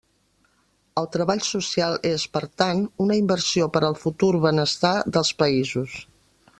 El treball social és, per tant, una inversió per al futur benestar dels països.